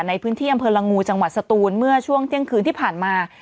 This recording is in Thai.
ในพื้นที่อำเภอละงูจังหวัดสตูนเมื่อช่วงเที่ยงคืนที่ผ่านมา